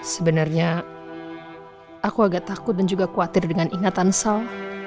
sebenarnya aku agak takut dan juga khawatir dengan ingatan sal